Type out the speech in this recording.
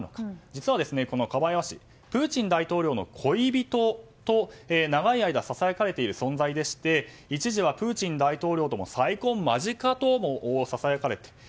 実は、このカバエワ氏プーチン大統領の恋人と長い間ささやかれている存在で一時はプーチン大統領とも再婚間近ともささやかれていた。